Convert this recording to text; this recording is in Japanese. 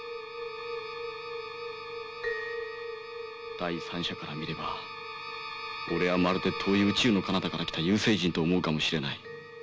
第三者から見れば俺はまるで遠い宇宙のかなたから来た遊星人と思うかもしれない。